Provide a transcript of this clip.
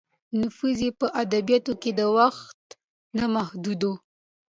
نفوذ یې په ادبیاتو کې د وخت نه محدود و.